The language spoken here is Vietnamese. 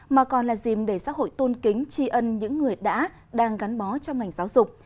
mà còn là dìm để xã hội tôn kính tri ân những người đã đang gắn bó trong ngành giáo dục